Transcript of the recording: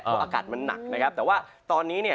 เพราะอากาศมันหนักนะครับแต่ว่าตอนนี้เนี่ย